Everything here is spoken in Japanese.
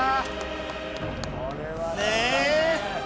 これは。ねえ。